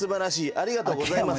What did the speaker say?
ありがとうございます。